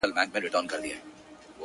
هر ګستاخ چي په ګستاخ نظر در ګوري,